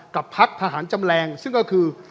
กับพักทหารจำแรงซึ่งก็คือ